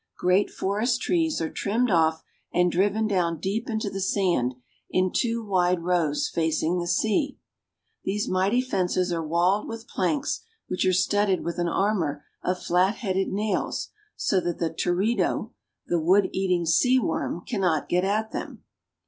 Great forest trees are trimmed off and driven down deep into the sand in two wide rows facing the sea. These mighty fences are walled with planks which are studded with an armor of flat headed nails so that the teredo, the wood eating sea worm, cannot get at them.